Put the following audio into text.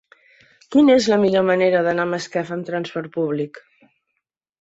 Quina és la millor manera d'anar a Masquefa amb trasport públic?